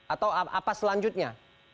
atau apa selanjutnya